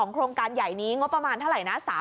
โครงการใหญ่นี้งบประมาณเท่าไหร่นะ